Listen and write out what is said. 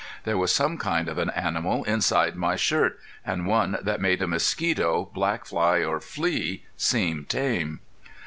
There was some kind of an animal inside my shirt, and one that made a mosquito, black fly, or flea seem tame.